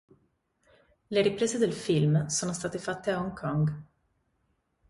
Le riprese del film sono state fatte a Hong Kong.